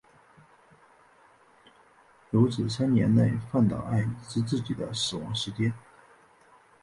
有指三年前饭岛爱已知自己的死亡时间。